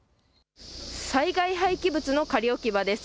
災害廃棄物の仮置き場です。